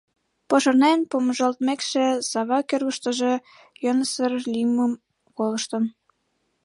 Пошырнен помыжалтмекше, Сава кӧргыштыжӧ йӧнысыр лиймым колыштын.